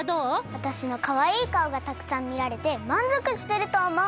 わたしのかわいいかおがたくさんみられてまんぞくしてるとおもう。